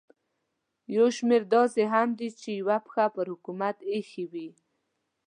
یو شمېر یې داسې هم دي چې یوه پښه پر حکومت ایښې وي.